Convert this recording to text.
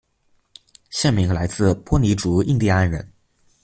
县名来自波尼族印第安人。